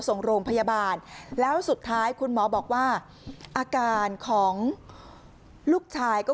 ส่งโรงพยาบาลแล้วสุดท้ายคุณหมอบอกว่าอาการของลูกชายก็